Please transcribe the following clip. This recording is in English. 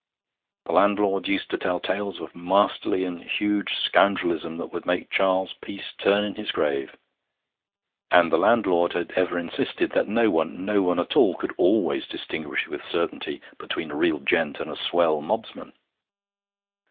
The landlord used to tell tales of masterly and huge scoundrelism that would make Charles Peace turn in his grave. And the landlord had ever insisted that no one, no one at all, could always distinguish with certainty between a real gent and a swell mobsman.